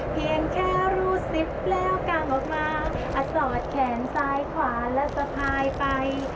เพียงแค่รู้สึกแล้วก้าวออกมาอาสอดแขนซ้ายขวาและสะพายไป